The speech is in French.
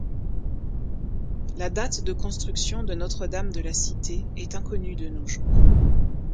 La date de construction de Notre-Dame-de-la-Cité est inconnue de nos jours.